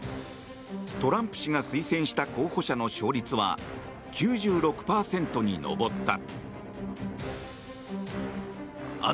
トランプ氏が推薦した候補者の勝率は９６％に上った。